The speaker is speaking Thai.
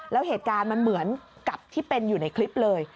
แล้วเหตุการณ์มันเหมือนกับที่เป็นอยู่ในคลิปเลย